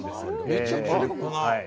めちゃくちゃでかくない？